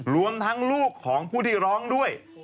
รวมทั้งลูกของผู้ที่ร้องด้วย